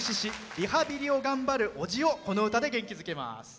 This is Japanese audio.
リハビリを頑張るおじをこの歌で元気づけます。